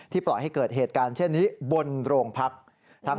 ปล่อยให้เกิดเหตุการณ์เช่นนี้บนโรงพัก